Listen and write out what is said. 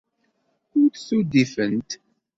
Ur d-udifent.